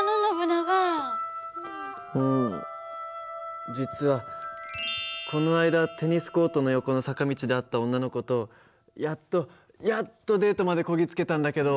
うん実はこの間テニスコートの横の坂道で会った女の子とやっとやっとデートまでこぎ着けたんだけど。